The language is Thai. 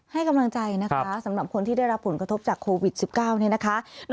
ให้กำลังใจนะคะสำหรับคนที่ได้รับผลกระทบจากโควิด๑๙เนี่ยนะคะ